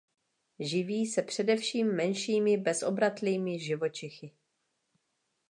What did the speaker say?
Živí se především menšími bezobratlými živočichy.